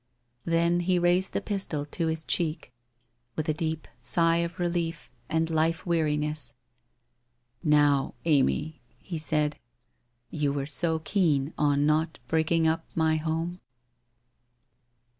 Then he raised the pistol to his cheek, with a deep sigh of relief and life weariness, ' Xow, Amy,' he said, ' you were so keen on not break ing up my home